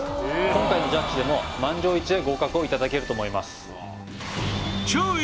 今回のジャッジでも満場一致で合格をいただけると思います